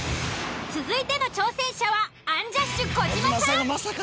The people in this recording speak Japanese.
続いての挑戦者はアンジャッシュ児嶋さん。